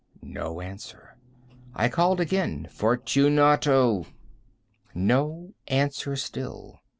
No answer. I called again— "Fortunato!" No answer still.